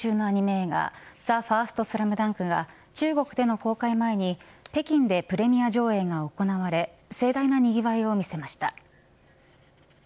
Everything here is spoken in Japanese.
映画ＴＨＥＦＩＲＳＴＳＬＡＭＤＵＮＫが中国での公開を前に北京でプレミア上映が行われ盛大なにぎわいを見せました。